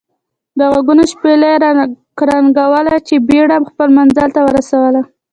دغوږونو شپېلۍ را کرنګوله چې بېړۍ خپل منزل ته ورسول.